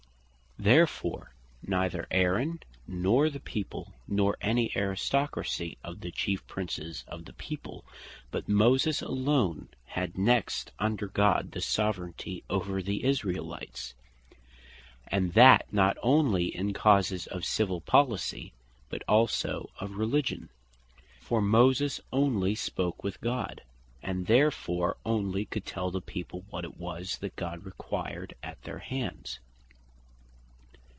Therefore neither Aaron, nor the People, nor any Aristocracy of the chief Princes of the People, but Moses alone had next under God the Soveraignty over the Israelites: And that not onely in causes of Civill Policy, but also of Religion; For Moses onely spake with God, and therefore onely could tell the People, what it was that God required at their hands.